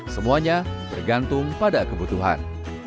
semuanya bergantung pada kebutuhan